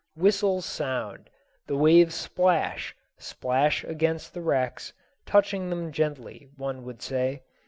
Whistles sound. The waves splash, splash against the wrecks, touching them gently, one would say.